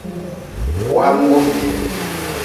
Wamgu.